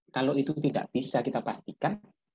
kalau itu tidak bisa kita pastikan